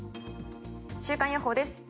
週間予報です。